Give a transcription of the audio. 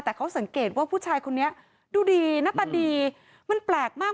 แต่เขาสังเกตว่าผู้ชายคนนี้ดูดีหน้าตาดีมันแปลกมาก